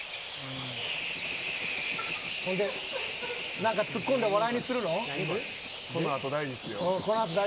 何かツッコんで笑いにするの。